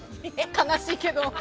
悲しいけど。